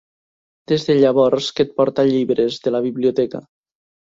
Des de llavors que et porta llibres de la biblioteca.